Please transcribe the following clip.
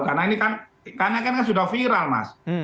karena ini kan karena kan sudah viral mas